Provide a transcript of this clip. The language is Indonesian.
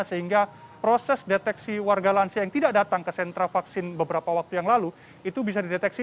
sehingga proses deteksi warga lansia yang tidak datang ke sentra vaksin beberapa waktu yang lalu itu bisa dideteksi